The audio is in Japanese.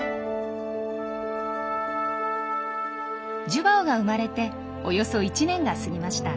ジュバオが生まれておよそ１年が過ぎました。